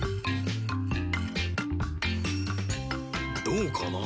どうかな？